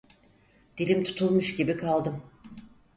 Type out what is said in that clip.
Dilim tutulmuş gibi kaldım.